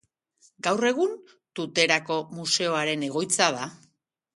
Gaur egun Tuterako museoaren egoitza da.